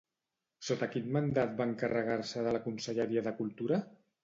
Sota quin mandat va encarregar-se de la conselleria de Cultura?